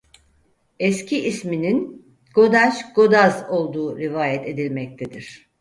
Eski isminin Godaş-godaz olduğu rivayet edilmektedir.